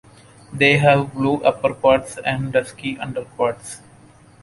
They have blue upperparts and dusky underparts.